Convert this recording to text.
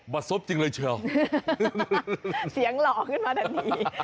บัดซบจริงเลยเชลล์เสียงหลอกขึ้นมาทันที